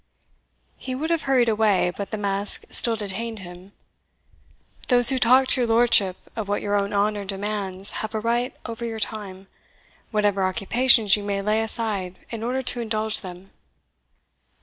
He would have hurried away, but the mask still detained him. "Those who talk to your lordship of what your own honour demands have a right over your time, whatever occupations you may lay aside in order to indulge them."